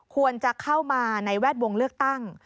ควรจะเข้ามาในแวดวงเลือกตั้ง